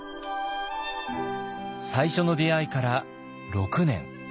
最初の出会いから６年。